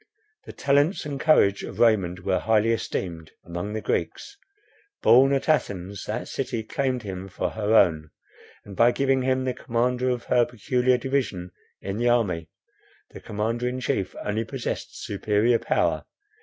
The talents and courage of Raymond were highly esteemed among the Greeks. Born at Athens, that city claimed him for her own, and by giving him the command of her peculiar division in the army, the commander in chief only possessed superior power.